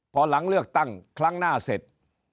พอหลังเลือกตั้งครั้งหน้าเสร็จ